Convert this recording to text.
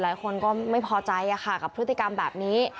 หลายคนก็ไม่พอใจกับพฤติกรรมแบบนี้